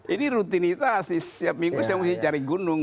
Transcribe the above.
ini rutinitas setiap minggu saya cari gunung